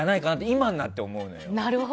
今になって思うのよ。